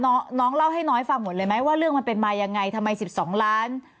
น้องน้องเล่าให้น้อยฟังหมดเลยไหมว่าเรื่องมันเป็นมายังไงทำไม๑๒ล้าน